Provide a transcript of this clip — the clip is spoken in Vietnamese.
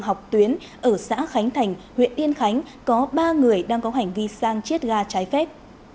học tuyến ở xã khánh thành huyện yên khánh có ba người đang có hành vi sang chiết ga trái phép